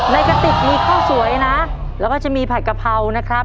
กระติกมีข้าวสวยนะแล้วก็จะมีผัดกะเพรานะครับ